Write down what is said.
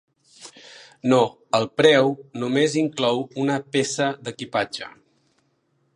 No, el preu només inclou una peça d'equipatge.